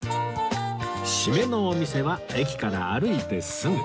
締めのお店は駅から歩いてすぐ